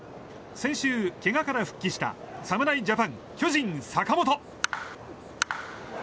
先週、けがから復帰した侍ジャパン、巨人、坂本。